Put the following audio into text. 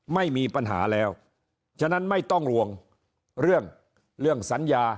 ไม่มีปัญหาแล้วฉะนั้นไม่ต้องห่วงเรื่องเรื่องสัญญา